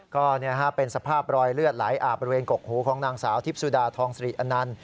ก็เป็นสภาพรอยเลือดไหลอาบบริเวณกกหูของนางสาวทิพย์สุดาทองสิริอนันต์